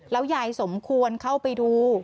แล้วยายสมควรเข้าไปดู